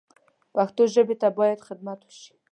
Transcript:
پښتو ژبې ته باید خدمت وشي